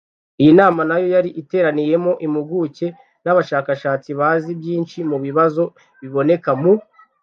iyi nama nayo yari iteraniyemo impuguke n’abashakashatsi bazi byinshi mu bibazo biboneka mu rwego rw’ikoranabuhanga